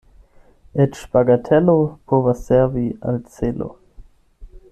Eĉ bagatelo povas servi al celo.